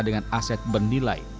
dengan aset bernilai